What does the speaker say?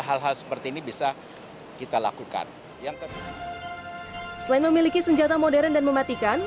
hal hal seperti ini bisa kita lakukan yang kedua selain memiliki senjata modern dan mematikan